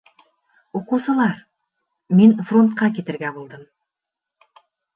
— Уҡыусылар, мин фронтҡа китергә булдым.